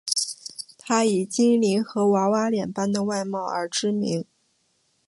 她以精灵和娃娃脸般的外貌而知名。